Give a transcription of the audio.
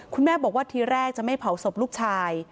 คุณแม่บอกว่าทีแรกจะไม่เผาศพลูกชาย